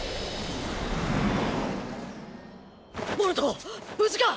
ボルト無事か？